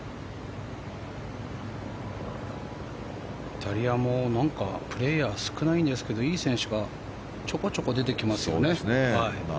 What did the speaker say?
イタリアもなんかプレーヤー少ないんですけどいい選手がちょこちょこ出てきますよね。